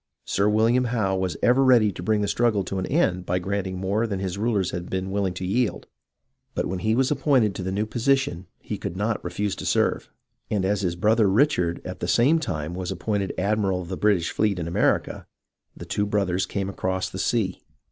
Sir William Howe was ever ready to bring the struggle to an end by granting more than his rulers had been willing to yield. But when he was appointed to the new position he could not refuse to serve, and as his brother Richard at the same time was appointed Admiral of the British fleet in America, the two brothers came across the sea.